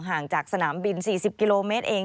ห่างจากสนามบิน๔๐กิโลเมตรเอง